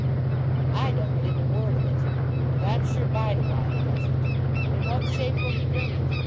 "I don't believe a word of it; and I'm sure Bideawhile doesn't. In what shape will he bring it?